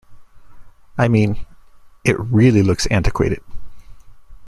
I mean, it really looks antiquated.